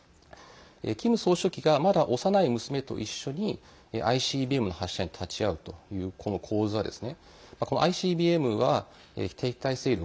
キム総書記がまだ幼い娘と一緒にＩＣＢＭの発射に立ち会うという、この構図はＩＣＢＭは敵対勢力